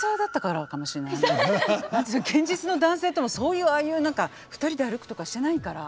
何か現実の男性とのそういうああいう何か２人で歩くとかしてないから。